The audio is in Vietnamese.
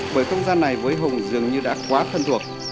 bởi không gian này với hùng dường như đã quá thân thuộc